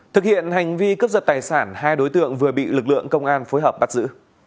thực hiện hành vi cướp giật tài sản hai đối tượng vừa bị lực lượng công an phối hợp bắt giữ